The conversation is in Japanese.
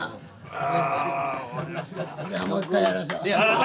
じゃもう一回やりましょう。